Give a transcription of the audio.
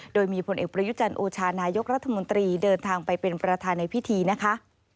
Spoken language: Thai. โดยมีผลเอกประยุจันทร์โอชานายกรัฐมนตรีเดินทางไปเป็นประธานในพิธีนะคะ